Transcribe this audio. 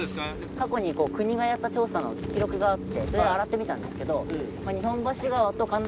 過去に国がやった調査の記録があってそれをあらってみたんですけど。